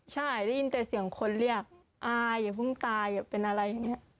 ใช่ได้ยินแต่เสียงคนเรียกอายอย่าเพิ่งตายอย่าเป็นอะไรอย่างนี้